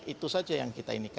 itu saja yang kita inginkan ya